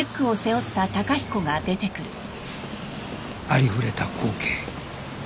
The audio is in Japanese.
ありふれた光景